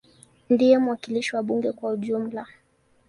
Ndiye mwakilishi wa bunge kwa ujumla.